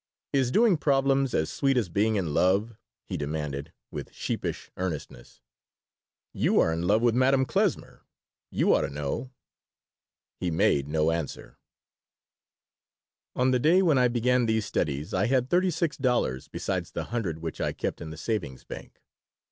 "Is doing problems as sweet as being in love?" he demanded, with sheepish earnestness "You are in love with Madame Klesmer. You ought to know." He made no answer On the day when I began these studies I had thirty six dollars besides the hundred which I kept in the savings bank.